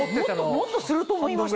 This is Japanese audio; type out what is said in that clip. もっとすると思いました。